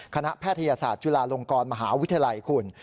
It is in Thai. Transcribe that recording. แพทยศาสตร์จุฬาลงกรมหาวิทยาลัยคุณ